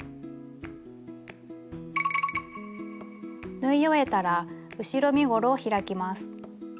縫い終えたら後ろ身ごろを開きます。